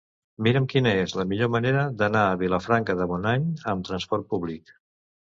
Mira'm quina és la millor manera d'anar a Vilafranca de Bonany amb transport públic.